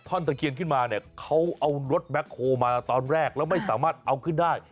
ตะเคียนขึ้นมาเนี่ยเขาเอารถแบ็คโฮลมาตอนแรกแล้วไม่สามารถเอาขึ้นได้